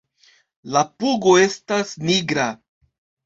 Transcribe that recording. La pugo estas nigra.